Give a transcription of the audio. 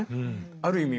ある意味